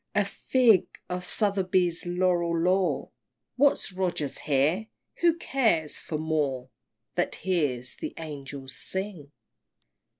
A fig for Southey's Laureat lore!" What's Rogers here? Who cares for Moore That hears the Angels sing!